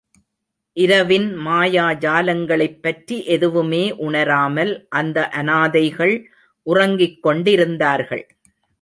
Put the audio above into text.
இரவின் மாயா ஜாலங்களைப் பற்றி எதுவுமே உணராமல் அந்த அனாதைகள் உறங்கிக் கொண்டிருந்தார்கள்.